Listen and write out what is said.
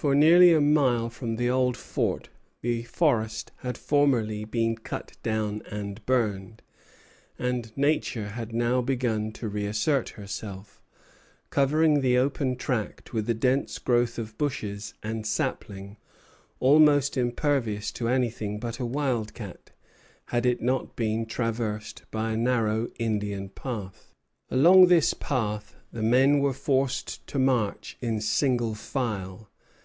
For nearly a mile from the old fort the forest had formerly been cut down and burned; and Nature had now begun to reassert herself, covering the open tract with a dense growth of bushes and saplings almost impervious to anything but a wild cat, had it not been traversed by a narrow Indian path. Along this path the men were forced to march in single file.